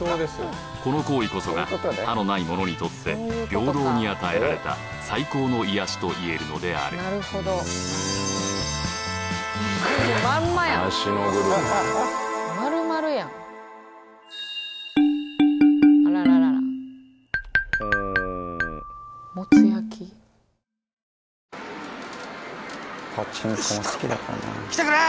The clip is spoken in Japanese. この行為こそが歯のない者にとって平等に与えられた最高の癒やしといえるのであるよし頼むきてくれ！